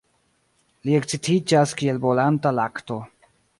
Li ekscitiĝas kiel bolanta lakto.